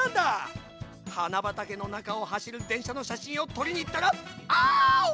はなばたけのなかをはしるでんしゃのしゃしんをとりにいったらアオ！